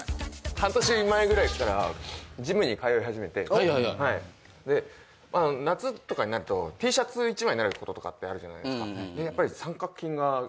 半年前ぐらいからジムに通い始めて夏とかになるとＴシャツ１枚になることあるじゃないですか。